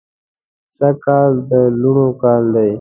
سږ کال د لوڼو کال دی